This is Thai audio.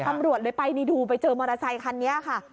ตำรวจเลยไปนี่ดูไปเจอมอเตอร์ไซคันนี้ค่ะ